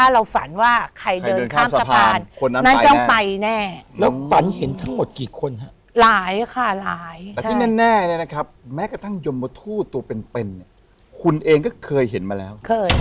เราก็จังจะเดินอาม่าบอกห้าม